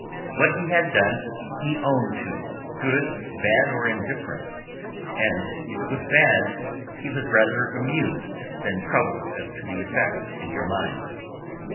What he had done he owned to, good, bad, or indifferent, and if it was bad he was rather amused than troubled as to the effect in your mind.